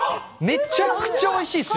めちゃくちゃおいしいっすよ。